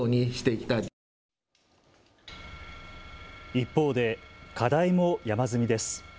一方で課題も山積みです。